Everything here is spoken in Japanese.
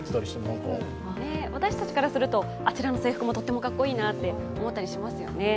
私たちとしてもあちらの制服もとってもかっこいいなって思ったりしますよね。